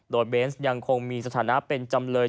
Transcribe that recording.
โดยเบนส์ยังคงมีสถานะเป็นจำเลย